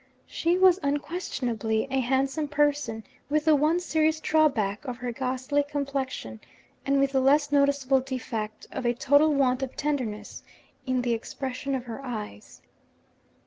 She was unquestionably a handsome person with the one serious drawback of her ghastly complexion, and with the less noticeable defect of a total want of tenderness in the expression of her eyes.